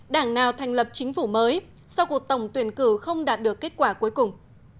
đảng nào thành lập chính phủ mới sau cuộc tổng tuyển cử không đạt được kết quả cuối cùng